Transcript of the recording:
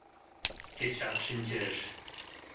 Кечат шинчеш.